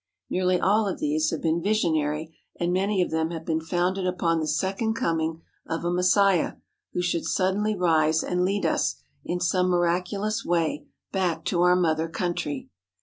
Nearly all of these have been visionary and many of them have been founded upon the second coming of a Messiah who should suddenly rise and lead us, in some miraculous way, back to our Mother Country.